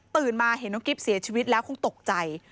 มาเห็นน้องกิ๊บเสียชีวิตแล้วคงตกใจ